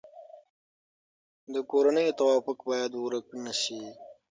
د کورنیو توافق باید ورک نه سي.